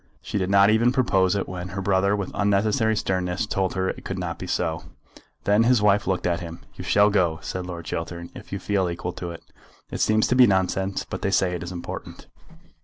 She did not even propose it when her brother with unnecessary sternness told her it could not be so. Then his wife looked at him. "You shall go," said Lord Chiltern, "if you feel equal to it. It seems to be nonsense, but they say that it is important."